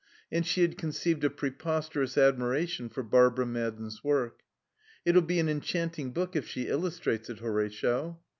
And she had conceived a preposterous admiration for Barbara Madden's work. "It'll be an enchanting book if she illustrates it, Horatio."